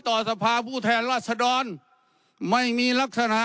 ต่อสภาพผู้แทนรัฐศดรนิย์ไม่มีลักษณะ